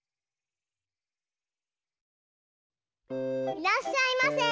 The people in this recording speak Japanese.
いらっしゃいませ！